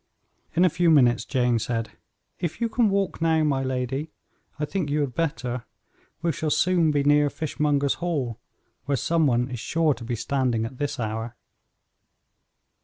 In a few minutes Jane said, "If you can walk now, my lady, I think you had better. We shall soon be near Fishmonger's Hall, where some one is sure to be standing at this hour."